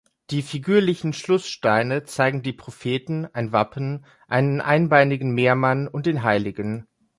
Die figürlichen Schlusssteine zeigen die Propheten, ein Wappen, einen einbeinigen Meermann und den hl.